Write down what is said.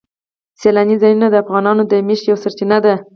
سیلاني ځایونه د افغانانو د معیشت یوه سرچینه ده.